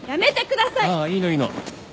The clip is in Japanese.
あいいのいいの。